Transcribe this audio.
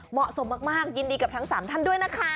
เหมาะสมมากยินดีกับทั้ง๓ท่านด้วยนะคะ